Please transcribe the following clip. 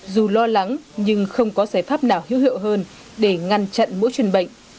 dù lo lắng nhưng không có giải pháp nào hữu hiệu hơn để ngăn chặn mũi truyền bệnh